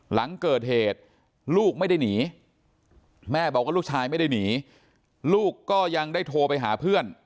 หลังเกิดเหตุลูกไม่ได้หนีแม่บอกว่าลูกชายไม่ได้หนีลูกก็ยังได้โทรไปหาเพื่อน